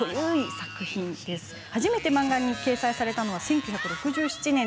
最初に漫画に掲載されたのが１９６７年。